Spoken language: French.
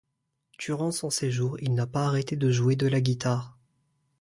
Durant son séjour, il n'a pas arrêté de jouer de la guitare.